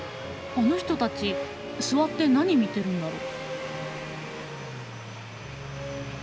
あの人たち座って何見てるんだろう？